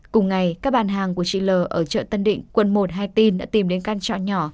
cùng ngày các bạn hàng của chị l ở chợ tân định quần một hai tìn đã tìm đến căn trọ nhỏ